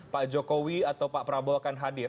pak jokowi atau pak prabowo akan hadir